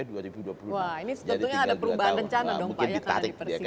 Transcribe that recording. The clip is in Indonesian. wah ini sebetulnya ada perubahan rencana dong pak ya karena dipersingkat